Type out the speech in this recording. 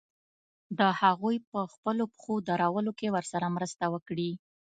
د هغوی په خپلو پښو درولو کې ورسره مرسته وکړي.